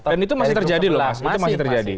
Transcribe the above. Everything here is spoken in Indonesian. dan itu masih terjadi lho mas itu masih terjadi